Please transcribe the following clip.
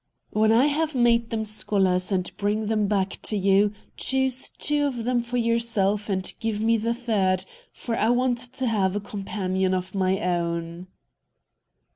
"When I have made them scholars and bring them back to you, choose two of them for yourself and give me the third; for I want to have a companion of my own."